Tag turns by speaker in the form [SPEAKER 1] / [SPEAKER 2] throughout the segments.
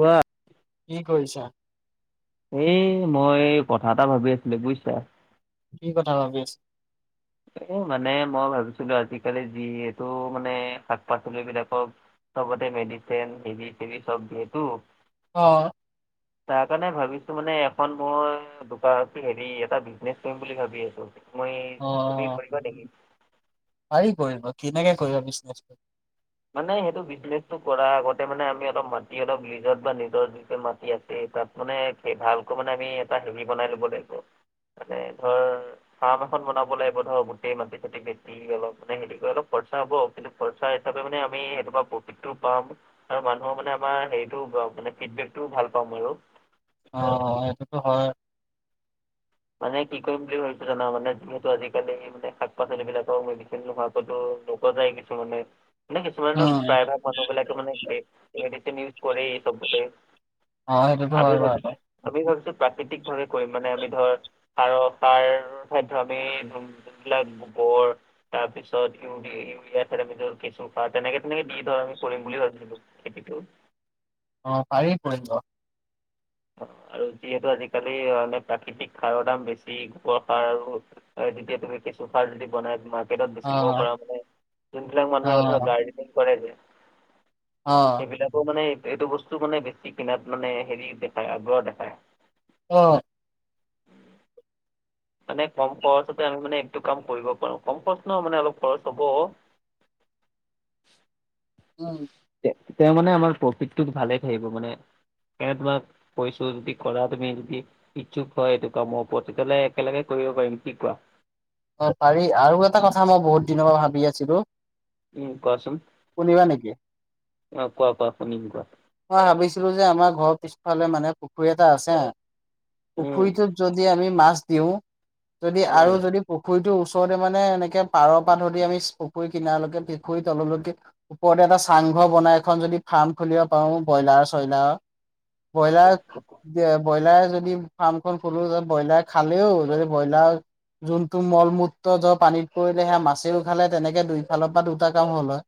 [SPEAKER 1] কোৱা
[SPEAKER 2] কি কৰিছা
[SPEAKER 1] এই মই কথা এটা ভাবি আছিলো বুইছা
[SPEAKER 2] কি কথা ভাবি আছ
[SPEAKER 1] এ মানে মই ভাবিছিলো আজিকালি যিহেটো মানে শাক পাচলি বিলাকৰ চবতে মেডিচেন হেৰি চেৰি চব দিয়েতো
[SPEAKER 2] অ
[SPEAKER 1] তাৰ কাৰণে ভাবিছো মানে এখন মই দোকান হেৰি এটা বিজনেচ কৰিম বুলি ভাবি আছো মই তুমি
[SPEAKER 2] অ',
[SPEAKER 1] কৰিবা নেকি?
[SPEAKER 2] পাৰি কৰিব কেনেকে কৰিবা বিচনেজটো
[SPEAKER 1] মানে সেইটো বিজনেচটো কৰাৰ আগতে মানে আমি অলপ মাটি অলপ লিজত বা নিজৰ যি মাটি আছে তাত মানে খেত ভালক মানে আমি এটা হেৰি বনাই লব লাগিব মানে ধৰ ফাৰ্ম এখন বনাব লাগিব ধৰক গোটেই মাটি চাতি ভেটি অলপ মানে হেৰি কৰি লপ খৰচা হ'ব কিন্তু খৰ্চা হিচাপে মানে আমি সেনকা প্ৰফিতটো পাম আৰু মানুহৰ মানে আমাৰ হেৰিটো মানে ফিডবেকটোও ভাল পাম আৰু
[SPEAKER 2] অ এইটোতো হয়
[SPEAKER 1] মানে কি কৰিম বুলি ভাবিছো জানা মানে যিহেতু আজিকালি মানে শাক পাচলি বিলাকৰ মেডিচেন নোহোৱাকৈতো নোকোৱা যায় কিছুমানে মানে কিছুমানক
[SPEAKER 2] উম,
[SPEAKER 1] প্ৰায় ভাগ মানুহ বিলাকে মানে মেডিচেন ইউজ কৰেই চবতেই
[SPEAKER 2] অ', সেইটোতো হয়
[SPEAKER 1] আমি
[SPEAKER 2] বাৰু।
[SPEAKER 1] ভাবিছো আমি ভাবিছো প্ৰাকৃতিক ভাৱে কৰিম মানে আমি ধৰ সাৰৰ সাৰ খাদ্য আমি যোনবিলাক গোবৰ তাৰপিছত ইউৰিয়া থেৰামিধৰ কেঁচু সাৰ তেনেকে তেনেকে দি ধৰ আমি কৰিম বুলি ভাবিছিলো খেতিটো।
[SPEAKER 2] অ পাৰি কৰিব।
[SPEAKER 1] আৰু যিহেতু আজিকালি মানে প্ৰাকৃতিক সাৰৰ দাম বেছি গোবৰ সাৰ আৰু যেতিয়া তুমি কেঁচু সাৰ যদি বনাই তোমাক পেটত বেচিব
[SPEAKER 2] অ',
[SPEAKER 1] পৰা মানে যোনবিলাক মানুহে ধ
[SPEAKER 2] অ',
[SPEAKER 1] গাৰ্ডেনিং কৰে যে
[SPEAKER 2] অ।
[SPEAKER 1] এই বিলাকো মানে এইটো বস্তু মানে বেছি কিনাত মানে হেৰি দেখায় আগ্ৰহ দেখায়।
[SPEAKER 2] অ।
[SPEAKER 1] মানে কম খৰচতে আমি মানে একটো কাম কৰিব পাৰো কম খৰচ ন মানে অলপ খৰচ হ'ব।
[SPEAKER 2] [inaudible] উম।
[SPEAKER 1] তে তেওঁ মানে আমাৰ প্ৰফিটটো ভালে থাকিব মানে। এ তোমাক কৈছো যদি কৰা তুমি যদি ইচ্ছুক হয় সেটো কামৰ ওপৰত তেতিয়া হ'লে একেলগে কৰিব পাৰিম কি কোৱা?
[SPEAKER 2] অ পাৰি আৰু এটা কথা মই বহুত দিনৰ পৰা ভাবি আছিলো।
[SPEAKER 1] ওম কোৱাচোন,
[SPEAKER 2] শুনিবা নেকি?
[SPEAKER 1] অ কোৱা কোৱা শুনিম কোৱা?
[SPEAKER 2] মই ভাবিছিলো যে আমাৰ ঘৰৰ পিছফালে মানে পুখুৰী এটা আছে। পুখুৰীটোত যদি আমি মাছ দিওঁ যদি আৰু
[SPEAKER 1] উম
[SPEAKER 2] যদি পুখুৰীটোৰ ওচৰতে মানে এনেকে পাৰৰ পা ধৰি আমি পুখুৰী কিনালৈকে পেখুৰীৰ তললৈকে ওপৰতে এটা চাংঘৰ বনাই এখন যদি ফাৰ্ম খুলিব পাওঁ বইলাৰ চইলাৰ বইলাৰ
[SPEAKER 1] উম।
[SPEAKER 2] যে বইলাৰে যদি ফাৰ্মখন খুলো যাত বইলাৰ খালেও যদি বইলাৰ যোনটো মল মূত্ৰ জৰ পানীত পৰিলে সেয়া মাছেও খালে তেনেকে দুইফালৰ পৰা দুটা কাম হ'ল হয়।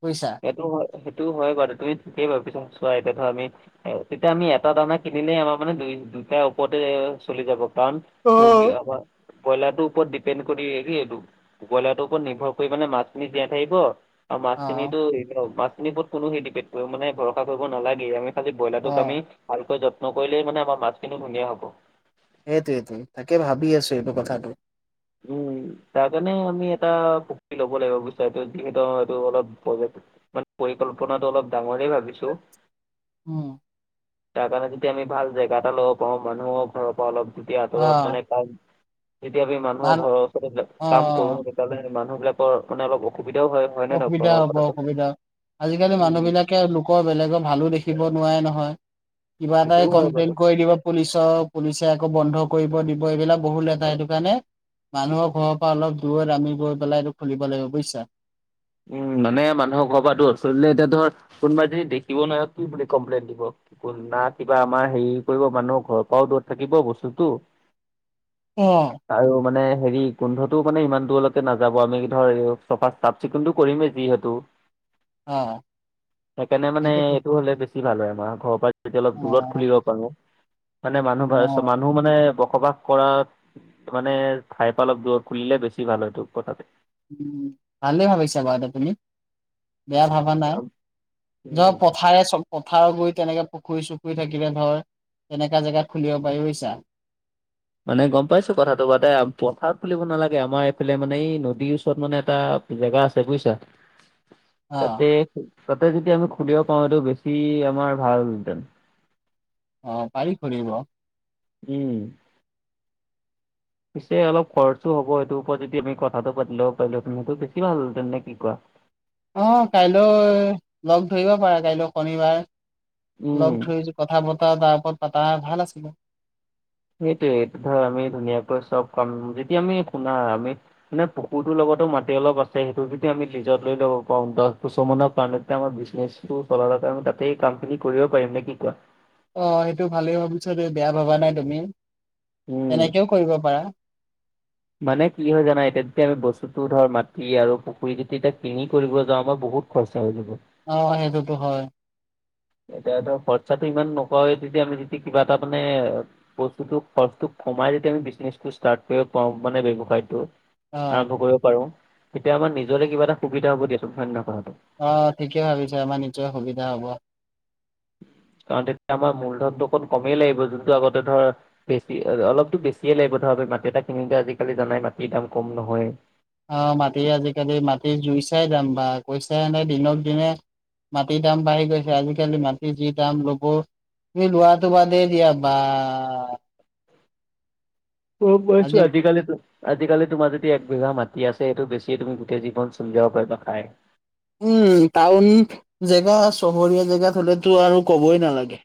[SPEAKER 2] বুইছা।
[SPEAKER 1] সেইটো হয় সেইটো হয় বাৰু তুমি ঠিকেই ভাবিছা চোৱা এতিয়া ধৰ আমি অ তেতিয়া আমি এটা দানা কিনিলেই আমাৰ মানে দুই দুইটাৰ ওপৰতে চলি যাব। কাৰণ
[SPEAKER 2] অ
[SPEAKER 1] মুৰ্গী অব ব্ৰইলাৰটোৰ ওপৰত ডিপেণ্ড কৰি এহি এইটো ব্ৰলাটোৰ ওপৰত নিৰ্ভৰ কৰি মানে মাছখিনি জীয়াই থাকিব। আৰু মাছখিনি
[SPEAKER 2] অ
[SPEAKER 1] মাছখিনিৰ ওপৰত কোনো সিদিপেড কৰিব মানে ভৰা কৰিব নালাগে আমি। খালি ব্ৰইলাৰটোক আমি ভালকৈ যত্ন কৰিলেই মানে আমাৰ মাছখিনিও ধুনীয়া হ'ব।
[SPEAKER 2] সেইটোৱেটো তাকে ভাবি আছো এইটো কথাটো।
[SPEAKER 1] উম তাৰ কাৰণে আমি এটা পুখী ল'ব লাগিব বুইছা এইটো যিহেতু এইটো অলপ পবেক মানে পৰিকল্পনাটো অলপ ডাঙৰে ভাবিছো।
[SPEAKER 2] উম।
[SPEAKER 1] তাৰ কাৰণে যেতিয়া আমি ভালে জেগা এটা ল'ব পাৰোঁ মানুহৰ ঘৰৰ পৰা অলপ তেতিয়া
[SPEAKER 2] অ
[SPEAKER 1] আঁতৰত মানে কাম যেতিয়া আমি মানুহৰ
[SPEAKER 2] ভাল
[SPEAKER 1] ঘৰৰ ওচৰৰত
[SPEAKER 2] অ অ
[SPEAKER 1] কাম
[SPEAKER 2] অ
[SPEAKER 1] কৰো। তেত- তেলহেই মানুহ বিলাকৰ মানে অল অসুবিধাও হয়। হয়নে নহয়
[SPEAKER 2] অসুবিধা
[SPEAKER 1] কোৱা
[SPEAKER 2] হব
[SPEAKER 1] কথাটো
[SPEAKER 2] অসুবিধা আজিকালি মানুহ
[SPEAKER 1] উম
[SPEAKER 2] বিলাক লোক বেলেগৰ ভালো দেখিব নোৱাৰে নহয় কিবা এটা
[SPEAKER 1] সেইটোও হয় বাৰু
[SPEAKER 2] কমপ্লেইন কৰি দিব। পুলিচ পুলিচে আকৌ বন্ধ কৰিব দিব এইবিলাক বহুত লেটাৰ সেইটো কাৰণে মানুহৰ ঘৰৰ পৰা অলপ দূৰ আমি গৈ পেলাই এইটো খুলিব লাগিব বুজিছা।
[SPEAKER 1] উম মানে মানুহক ঘপা দূৰত খুলিলে এতিয়া ধৰ কোনোবা যদি দেখিব নৱাৰিব কি বুলি কমপ্লেইন দিব। তুলনা কিবা আমাৰ হেৰি কৰিব মানুহ ঘৰৰ পৰাও দূৰত থাকিব বস্তুতটো।
[SPEAKER 2] অ।
[SPEAKER 1] আৰু মানে হেৰি গোন্ধটোও মানে ইমান দূৰলৈকে নাযাব আমি ধৰ চফা চাত। চিকুনটো কৰিমেই যিহেতু
[SPEAKER 2] অ
[SPEAKER 1] সেইকাৰণে মানে
[SPEAKER 2] সেইটো ঠিক
[SPEAKER 1] এইটো হলে বেছ- বেছি ভাল হয় আমাৰ ঘৰৰ পৰা যদি অলপ
[SPEAKER 2] অ
[SPEAKER 1] দূৰত খুলিব পাৰো মানে মানুহ ভা
[SPEAKER 2] অ
[SPEAKER 1] চমান নুহ মানে বসবাস কৰাত মানে ঠাইৰ পৰা অলপ দূৰত খুলিলে বেছি ভাল হয়টো কথাটো।
[SPEAKER 2] উ ভালে ভাবিছা বা তুমি। বেয়া ভাবা নাই। ধ
[SPEAKER 1] উম,
[SPEAKER 2] পথাৰে চ- পথাৰৰ গুৰি তেনেকে পুখুৰী চুখুৰী থাকিলে ধৰ তেনেকা জেগাত খুলিব পাৰি বুইছা।
[SPEAKER 1] মানে গম পাইছো কথাটো মানে পথাৰত খুলিব নালাগে, আমাৰ এইফালে মানে এই নদীৰ ওচৰত মানে এটা। জেগা আছে বুইছা।
[SPEAKER 2] [unintelligible]
[SPEAKER 1] তাতে -তাতে যদি আমি খুলিব পাৰো সেইটো বেছি আমাৰ ভালহেঁতেন।
[SPEAKER 2] অ' পাৰি খুলিব।
[SPEAKER 1] উম। পিছে অলপ খৰচো হব সেইটো ওপৰত যদি আমি কথাটো পাতিও পাৰিলো হেতেন। সেইটো বেছি ভাল হ'ল হেতেনে নে কি কোৱা?
[SPEAKER 2] অ' কাইলৈ লগ ধৰিব পাৰা কাইলৈ শনিবাৰ
[SPEAKER 1] উম
[SPEAKER 2] লগ ধৰি যদি। কথা বতৰা তাৰ ওপৰত পাতা ভাল আছিলে।
[SPEAKER 1] সেইটোৱে ধৰ আমি ধুনীয়াকৈ চব কাম যেতিয়া আমি শুনা আমি। মানে পুখুৰটোৰ লগতো মাটি অলপ আছে। সেইটো যদি আমি লিজত লৈ ল'ব পাৰো দহ বছৰ মানৰ কাৰণ আমাৰ বিজনেচ। [inaudible] তাতেই কাম খিনি কৰিব পাৰিম নে কি কোৱা?
[SPEAKER 2] অ 'সেইটো ভালেই হৈছে দে বেয়া ভবা নাই তুমি।
[SPEAKER 1] উম
[SPEAKER 2] তেনেকেও কৰিব পাৰা।
[SPEAKER 1] মানে কি হয় জানা, এতিয়া যেতিয়া আমি বস্তুতটো ধৰ মাটি আৰু পুখুৰী যদি এতিয়া কিনি কৰিব যাওঁ মই বহুত। খৰচা হৈ যাব।
[SPEAKER 2] অ' সেইটোতো হয়।
[SPEAKER 1] এতিয়া খৰচাটো ইমান নকওঁৱে তেতিয়া আমি যি তি কিবা এটা মানে। বস্তুটো খৰচটো কমাই য আমি বিজনেচ ষ্টাৰ্ট কৰিব পাৰো মানে ব্যৱসায়টো।
[SPEAKER 2] অ
[SPEAKER 1] আৰম্ভ কৰিব পাৰো তেতিয়া আমাৰ নিজৰে কিবা এটা সুবিধা হব দিয়াোন সন্ধান কথাষাৰটো।
[SPEAKER 2] অ' ঠিকে ভাবিছে আমাৰ নিশ্চয় সুবিধা হব।
[SPEAKER 1] [unintelligible] আমাৰ মূলধনতটো অকণ কমেই লাগিব যোনটো আগতে ধৰ। বেছি অলপতো বেছিয়ে লাগিব ধৰা মাটি এটা কিনতে আজিকালি জানাই মাটিৰ দাম কম নহয়।
[SPEAKER 2] অ' মাটি আজিকালি মাটি জুই চাই যাম দাম বা পইছা এনে দিনক দিনে। মাটিৰ দাম বাঢ়ি গৈছে আজিকালি মাটি যি দাম লব। তুমি লোৱাটো বাদেই দিয়া বা
[SPEAKER 1] গম পাইছো
[SPEAKER 2] আজি
[SPEAKER 1] আজিকালি। আজিকালি তোমাৰ যদি এক বিঘা মাটি আছে, সেইটো বেছিয়ে তুমি গোটেই জীৱন চলিব পাৰিবা খাই।
[SPEAKER 2] উম টাউন জেগা চহৰীয়া জেগাত হ'লেতো আৰু ক'বই নালাগে।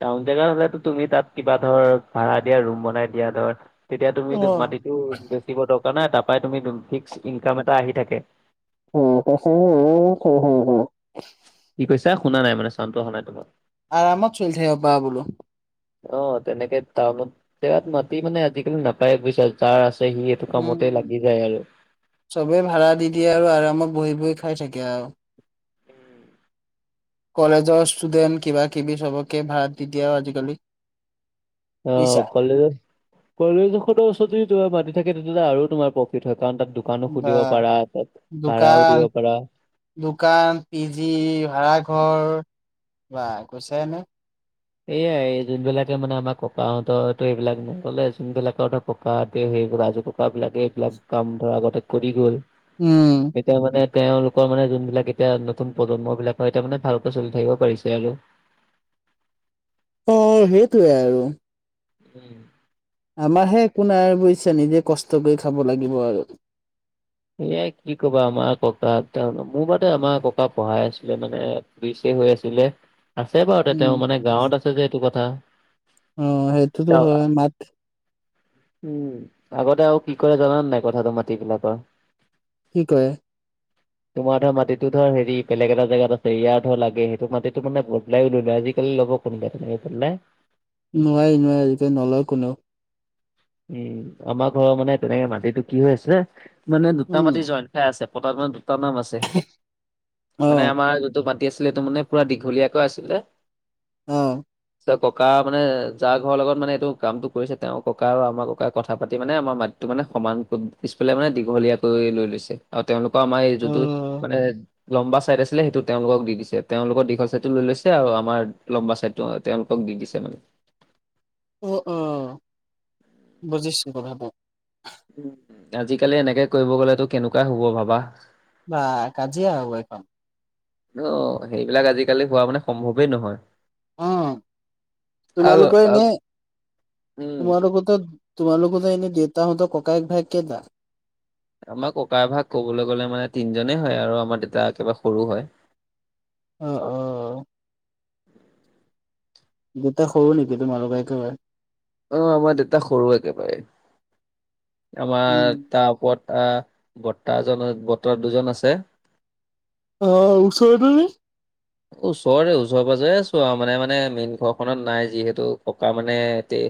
[SPEAKER 1] টাউন জেগাত হলেতো তুমি তাত কিবা ধৰ ভাড়া দিয়া ৰুম বনাই দিয়া ধৰ। তেতিয়া তুমি
[SPEAKER 2] অ
[SPEAKER 1] মাটিটো বেচিব দৰকাৰ নাই। তাৰ পৰাই তুমি ফিক্স ইনকাম এটা আহি থাকে।
[SPEAKER 2] উ [unintelligible]
[SPEAKER 1] কি কৈছো শুনা নাই মানে, চাওনটো অহা নাই তোমাৰ।
[SPEAKER 2] আৰামত চলি থাকিব পাৰা বোলো।
[SPEAKER 1] অ' তেনেকে টাউনত জেগাত মাতি মানে আজিকালি নাপায় বুজিছা যাৰ আছে সি। এইটো
[SPEAKER 2] উম
[SPEAKER 1] কামতে লাগি যায় আৰু
[SPEAKER 2] চবে ভাড়া দি দিয়ে, আৰু আৰামত বহি -বহি খাই থাকে আৰু। [inaudible] কলেজৰ ষ্টুডেন্ট কিবা- কিবি সবকে ভাড়াত দি দিয়ে আৰু আজিকালি। বুজিছা
[SPEAKER 1] অ' কলেজত। কলেজ এখনৰ ওচৰতে তোমাৰ মাতি থাকে, তেতিয়াহলে আৰু তোমাৰ প্ৰফিট হয়। কাৰণ তাত দোকানো
[SPEAKER 2] বা
[SPEAKER 1] খুলিব পাৰা, তাত ভাড়াও
[SPEAKER 2] দোকান
[SPEAKER 1] দিব পাৰা।
[SPEAKER 2] দোকান, পি জি, ভাড়াঘৰ বা কৈছাই নে।
[SPEAKER 1] এইয়াই যোনবিলাকে মানে আমাৰ ককাহঁতৰো এইবিলাক নগ'লে যোনবিলাক। ককাহঁতে সেইবোৰ আজো ককা বিলাকে এইবিলাক কাম ধৰা আগতে কৰি গ'ল।
[SPEAKER 2] উম।
[SPEAKER 1] এতিয়া মানে, তেওঁলোকৰ মানে যোন বিলাক এতিয়া নতুন প্ৰজন্ম বিলাক হয়। এতিয়া মানে ভালকে চলি থাকিব পাৰিছে আৰু।
[SPEAKER 2] অ' সেইটোৱে আৰু
[SPEAKER 1] উম।
[SPEAKER 2] আমাৰ হে একো নাই বুজিছা, নিজে কষ্ট কৰি খাব লাগিব আৰু।
[SPEAKER 1] এয়া কি ক'বা আমাৰ ককা ত' মোৰ বাদে আমাৰ ককা পঢ়াই আছিলে মানে। বিছে হৈ আছিলে, আছে বাৰু তে
[SPEAKER 2] উম
[SPEAKER 1] তেওঁ মানে গাঁৱত আছে যে এইটো কথা।
[SPEAKER 2] অ সেইটোতো
[SPEAKER 1] তেওঁ-
[SPEAKER 2] হয় মাত
[SPEAKER 1] উম আগতে আৰু কি কৰে জানে নাই কথাটো মাটিবিলাকৰ?
[SPEAKER 2] কি কৰে?
[SPEAKER 1] তোমাৰ ধৰ মাটিটো ধৰ হেৰি বেলেগ এটা জেগাত আছে, ইয়াৰ ধৰ লাগে সেইটো মাটিটো মানে বদলাইও লয়। আজিকালি লব কোনোবাই তেনেকে বদলাই।
[SPEAKER 2] নোৱাৰি নোৱাৰি এইটো নলয় কোনেও।
[SPEAKER 1] উম আমাৰ ঘৰৰ মানে তেনেকে মাটিটো কি হৈ আছে মানে দুটা
[SPEAKER 2] উম
[SPEAKER 1] মাটি জইন ঠাই আছে, পটাত মানে দুটা নাম আছে।
[SPEAKER 2] অ
[SPEAKER 1] মানে আমাৰ যোনটো মা টি আছিলে ত মানে পুৰা দীঘলীয়াকৈ আছিলে।
[SPEAKER 2] অ।
[SPEAKER 1] ত ককা মানে যাৰ ঘৰৰ লগত মানে এইটো কামটো কৰিছে তেওঁ ক ককা আৰু আমাৰ ককাই কথা পাতি মানে আমাৰ মাটিটো মানে সমান পিছফালে মানে দীঘলীয়া কৰি লৈ লৈছে। আৰু তেওঁলোকৰ আমাৰ এই যতটো
[SPEAKER 2] উম,
[SPEAKER 1] মানে লম্বা ছাইদ আছিলে সেইটো তেওঁলোকক দি দিছে, তেওঁলোকৰ দীঘল চাইডটো লৈ লৈছে আৰু আমাৰ লম্বা চাইদ টো তেওঁলোকক দি দিছে মানে।
[SPEAKER 2] অ অ বুজিছো কথাটো।
[SPEAKER 1] উম, আজিকালি এনেকে কৰিব গ'লেতো কেনেকুৱাই হব ভাবা?
[SPEAKER 2] বা কাজিয়া হব এইখন।
[SPEAKER 1] ধ সেইবিলাক আজিকালি হোৱা মানে সম্ভৱেই নহয়।
[SPEAKER 2] অ,
[SPEAKER 1] আৰু
[SPEAKER 2] তোমালোকে
[SPEAKER 1] আ-
[SPEAKER 2] এনেই
[SPEAKER 1] উম
[SPEAKER 2] তোমালোকতো তোমালোকো যে এনেই দেউতাহতৰ ককায়েক, ভাই কেইটা?
[SPEAKER 1] আমাৰ ককা ভাগ ক'বলৈ গলে মানে তিনিজনেই হয় আৰু আমাৰ দেউতা একেবাৰে সৰু হয়।
[SPEAKER 2] অ অ। দেউতা সৰু নেকি তোমালোক একেবাৰে?
[SPEAKER 1] অ আমাৰ দেউতা সৰু একেবাৰে। আমাৰ
[SPEAKER 2] উম,
[SPEAKER 1] তাৰ ওপৰত আহ বৰ্তাজন বৰ্তা দুজন আছে।
[SPEAKER 2] অ ওচৰতেনে। [inaudible]
[SPEAKER 1] ওচৰতে ওচৰ পাজৰে আছো আৰু মানে মানে মেইন ঘৰখনত নাই যিহেতু ককা মানে ইয়াতে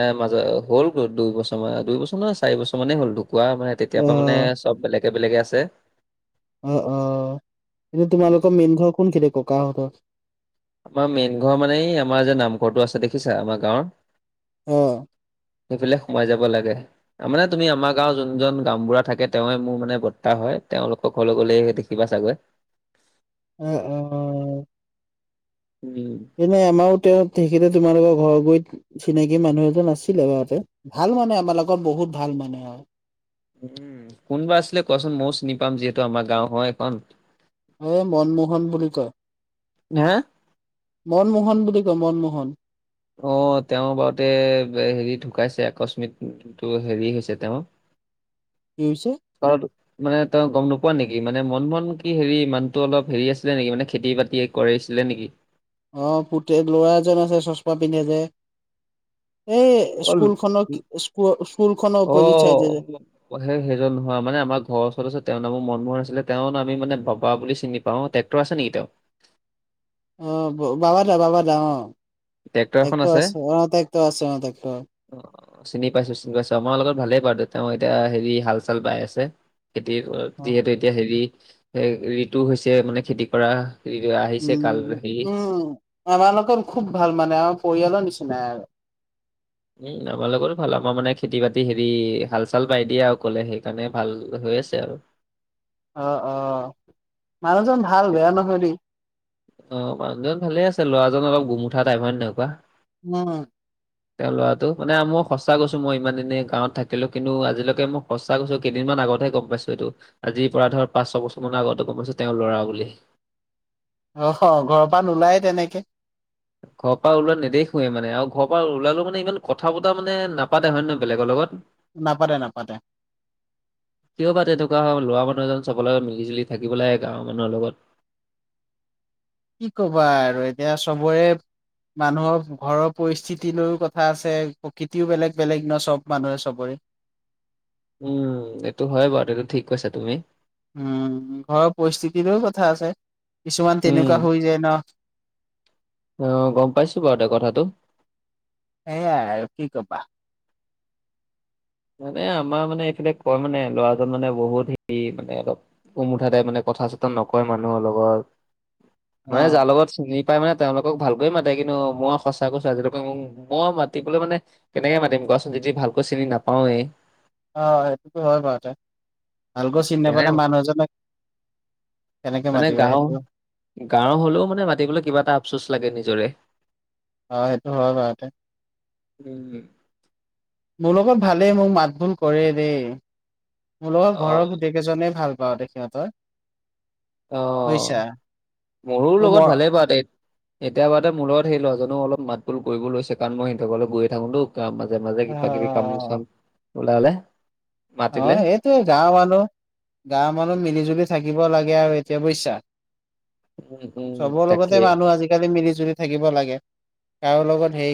[SPEAKER 1] এ মাজে হ'ল গল' দুইবছৰ মানে দুইবছ কোন চাৰি বছৰ মানেই হ'ল ঢুকুৱা মানে তেতিয়াৰপৰা মানে
[SPEAKER 2] অ',
[SPEAKER 1] চব বেলেগে - বেলেগে আছে।
[SPEAKER 2] অ অ, এতিয়া তোমালোকৰ মেইন ঘৰ কোনখিনি ককাহঁতৰ?
[SPEAKER 1] আমাৰ মেইন ঘৰ মানে এই আমাৰ যে নামঘৰটো আছে দেখিছা আমাৰ গাঁৱৰ?
[SPEAKER 2] অ।
[SPEAKER 1] সেইফালে সোমাই যাব লাগে। মানে তুমি আমাৰ গাঁৱত যোনজন গামবুঢ়া থাকে তেওঁৱে মোৰ মানে বৰ্তা হয়, তেওঁলোকক হ'লে গলে ইয়াতে কিবা চাগৈ?
[SPEAKER 2] উম উম অ।
[SPEAKER 1] উম।
[SPEAKER 2] এনেই আমাৰো তেওঁ তেখেতে তোমালোকৰ ঘৰ গুৰিত চিনাকি মানুহ এজন আছিলে বাৰতে, ভাল মানে আমাৰ লগত বহুত ভাল মানে আৰু।
[SPEAKER 1] উম, কোনবা আছিলে কোৱাচোন ময়ও চিনি পাম যিহেতু আমাৰ গাঁও হয় এখন।
[SPEAKER 2] এই মনমোহন বুলি কয়,
[SPEAKER 1] হা
[SPEAKER 2] মনমোহন বুলি কয় মনমোহন?
[SPEAKER 1] অ তেওঁৰ বাৰতে গে হেৰি ঢুকাইছে আকস্মিকটো হেৰি হৈছে তেওঁ।
[SPEAKER 2] কি হৈছে?
[SPEAKER 1] ঘৰটো মানে ত গম নোপোৱা নেকি মানে মনমোহন কি হেৰি মানুহটো অলপ হেৰি আছিলে নেকি মানে খেতি - বাতি কৰিছিলে নেকি?
[SPEAKER 2] অ পুতেক লৰা এজন আছে চশমা পিন্ধে যে? এই
[SPEAKER 1] অল
[SPEAKER 2] স্কুলখনক স্কুল স্কুলখন
[SPEAKER 1] অ'
[SPEAKER 2] অপজিট চাইডে যে।
[SPEAKER 1] অ সেই সেইজন নোহোৱা মানে আমাৰ ঘৰৰ ওচৰত আছে, তেওঁ নামো মনমোহন আছিলে তেওঁৰ আমি মানে বাবা বুলি চিনি পাওঁ টে ক্টৰ আছে নেকি তেওঁ?
[SPEAKER 2] অ বা বাবা দা বাবা দা অ,
[SPEAKER 1] ট্ৰেক্টৰ এখন
[SPEAKER 2] টেক্টৰ আছে অ টেক্টৰ আছে অ টেক্টৰ।
[SPEAKER 1] অ চিনি পাইছো চিনি পাইছো, আমাৰ লগত ভালেই পাওঁ দে তেওঁ এতিয়া হেৰি হাল - চাল বাই আছে। খেতি
[SPEAKER 2] অ
[SPEAKER 1] যিহেতু এতিয়া হেৰি ঋতু হৈছে মানে খেতি কৰা। সিৰে আহিছে
[SPEAKER 2] উম
[SPEAKER 1] কালহি।
[SPEAKER 2] উম আমাৰ লগৰ খুব ভাল মানে আমাৰ পৰিয়ালৰ নিচিনাই আৰু।
[SPEAKER 1] উম আমাৰ লগৰো ভাল আমাৰ মানে খেতি - বাতি হেৰি হাল - চাল বাই দিয়ে আৰু কলে সেইকাৰণে ভাল হৈ আছে আৰু।
[SPEAKER 2] অ অ, মানুহজন ভাল বেয়া নহয় দেই।
[SPEAKER 1] অ মানুহজন ভালে আছে ল'ৰাজন অলপ গুমুঠা টাইম হয় নে নহয় কোৱা
[SPEAKER 2] উম
[SPEAKER 1] তেওঁ ল'ৰাটো মানে মই সঁচা গৈছো মই ইমান দিনে গাঁৱত থাকিলো কিন্তু আজিলৈকে মই সঁচ ছা কৈছো কেইদিনমান আগতেহে গম পাইছো এইটো আজি পৰা ধৰ পাঁচ ছয়বছৰ মান আগতে গম পাইছোঁ তেওঁ ল'ৰা বুলি
[SPEAKER 2] অ হ ঘৰৰ পৰা নোলায় তেনেকে।
[SPEAKER 1] ঘৰ পৰা ওলোৱা নেদেখোৱে মানে আৰু ঘৰ পৰা ওলালে মানে ইমান কথা পতা মানে নাপাতে হয় নে নহয় বেলেগৰ লগত?
[SPEAKER 2] নাপাতে নাপাতে।
[SPEAKER 1] কিয় বা তেনেকুৱা হয়, লৰা মানুহ এজন চবৰ লগত মিলি জুলি থাকিব লাগে গাঁৱৰ মানুহৰ লগত।
[SPEAKER 2] কি কবা আৰু এতিয়া চবৰে মানুহৰ ঘৰৰ পৰিস্থিতি লৈও কথা আছে, প্ৰকৃতিও বেলেগ বেলেগ ন সব মানুহে চবৰে।
[SPEAKER 1] উম এইটো হয় বাৰু এইটো ঠিক কৈছা তুমি।
[SPEAKER 2] উম ঘৰৰ পৰিস্থিতিতোও কথা আছে, কিছুমান
[SPEAKER 1] উম,
[SPEAKER 2] তেনেকুৱা হৈ যায় ন? [unintelligible]
[SPEAKER 1] অ গম পাইছো বাৰু দে কথাটো
[SPEAKER 2] এয়া আৰু কি কবা
[SPEAKER 1] মানে আমাৰ মানে এফালে কয় মানে ল'ৰাজন মানে বহুত হেৰি মানে অলপ উমুঠাতোই মানে কথা চথা নকয় মানুহৰ লগত
[SPEAKER 2] অ
[SPEAKER 1] মানে যাৰ লগত চিনি পাই মানে তেওঁলোকক ভালকে মাতে কিন্তু মই সঁচা কৈছো আজিলৈকে মই মাতিবলৈ মানে কেনেকে মাতিম কোৱা চোন যদি ভালকৈ চিনি নাপাৱেই
[SPEAKER 2] অ সেইটোতো হয় বাৰু তে ভালকৈ চিনি
[SPEAKER 1] তেনে
[SPEAKER 2] নাপালে মানুহ এজনে
[SPEAKER 1] মানে গাঁও
[SPEAKER 2] সেইটো
[SPEAKER 1] গাঁওৰ হলেও মানে মাতিবলৈ কিবা এটা আফচোচ লাগে নিজৰে
[SPEAKER 2] অ সেইটো হয় বাৰতে
[SPEAKER 1] উম,
[SPEAKER 2] মোৰ লগত ভালেই মোক মাত ভোল কৰে দেই মোৰ লগৰ ঘৰৰ
[SPEAKER 1] অ',
[SPEAKER 2] গোটেই কেইজনে ভাল পাওঁ দে সিহতৰ
[SPEAKER 1] অ মোৰো
[SPEAKER 2] অ
[SPEAKER 1] লগত
[SPEAKER 2] মৰ
[SPEAKER 1] ভালেই বা তেইত এতিয়া পাৰতে মোৰ লগত সেই ল'ৰা জনো অলপ মাত বুল কৰিব লৈছে কাৰণ মই সিহতৰ ঘৰলৈ গৈয় থাকো তোক মাজে মাজে
[SPEAKER 2] অ
[SPEAKER 1] কিবা কিবি কাম চাম ওলালে
[SPEAKER 2] অ
[SPEAKER 1] মাতিলে
[SPEAKER 2] এইটোৱে গাঁৱ মানুহ গাঁৱ মানুহ মিলি জুলি থাকিব লাগে আৰু এইটোৱে বুইছা
[SPEAKER 1] উম, উম,
[SPEAKER 2] চবৰ
[SPEAKER 1] তাকে।
[SPEAKER 2] লগতে মানুহ আজিকালি মিলি জুলি থাকিব লাগে কাৰো লগত হেৰি